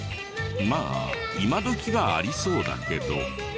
まあ今どきはありそうだけど。